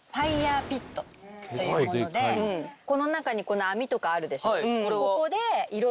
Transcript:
というものでこの中に網とかあるでしょ。